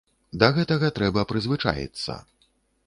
Да гэтага трэба прызвычаіцца.